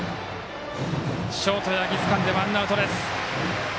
ショート、八木つかんで、ワンアウト。